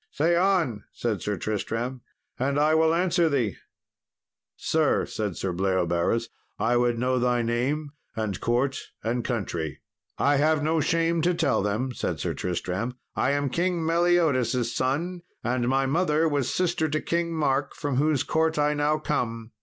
"Say on," said Sir Tristram, "and I will answer thee." "Sir," said Sir Bleoberis, "I would know thy name, and court, and country." "I have no shame to tell them," said Sir Tristram. "I am King Meliodas' son, and my mother was sister to King Mark, from whose court I now come.